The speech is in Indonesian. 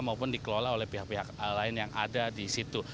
maupun dikelola oleh pihak pihak lain yang ada di situ